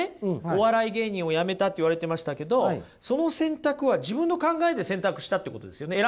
「お笑い芸人を辞めた」って言われてましたけどその選択は自分の考えで選択したってことですよね？